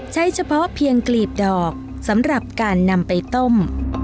เฉพาะเพียงกลีบดอกสำหรับการนำไปต้ม